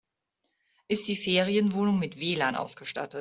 Ist die Ferienwohnung mit WLAN ausgestattet?